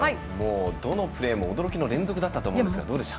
どのプレーも驚きの連続だったと思いますが、どうでした？